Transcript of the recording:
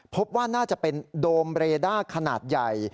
พบว่าน่าจะเป็นโดมเรด้าขนาดใหญ่